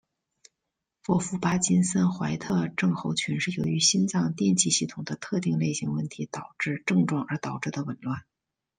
沃夫巴金森怀特症候群是由于心脏电气系统的特定类型问题导致症状而导致的紊乱。